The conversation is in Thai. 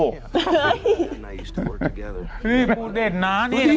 เย็กปูเด็ดนะ